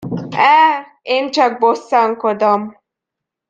Eh, én csak bosszankodom!